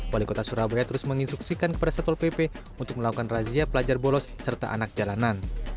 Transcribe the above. wali kota surabaya terus menginstruksikan kepada satpol pp untuk melakukan razia pelajar bolos serta anak jalanan